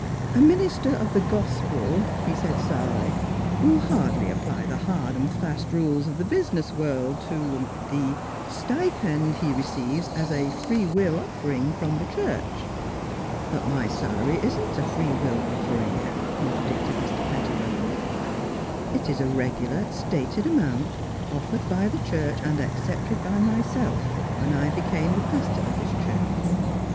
" A minister of the Gospel," he said sourly, " will hardly apply the hard and fast rules of the business world to — er — the stipend he receives as a free will of fering from the church." " But my salary isn't a free will offer ing," contradicted Mr. Pettibone. " It is a regular stated amount, offered by the church and accepted by myself, when I became the pastor of this church.